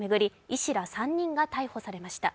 医師ら３人が逮捕されました。